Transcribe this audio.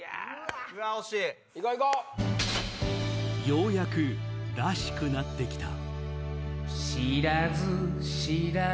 ようやくらしくなって来た